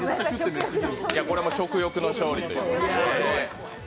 これは食欲の勝利ということで。